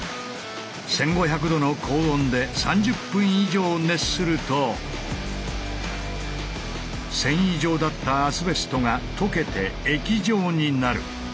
１，５００度の高温で３０分以上熱すると繊維状だったアスベストが溶けて液状になる。